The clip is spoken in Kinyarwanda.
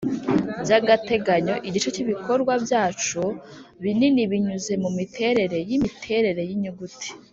by'agateganyo, igice cyibikorwa byacu binini binyuze mumiterere yimiterere yinyuguti.